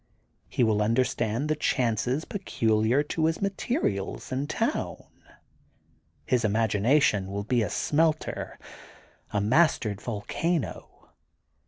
He will under stand the chances peculiar to his materials and town. His imagination will be a smelter, a mastered volcano.